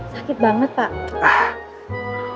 sakit banget pak